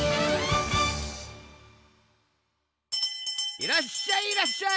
いらっしゃいいらっしゃい。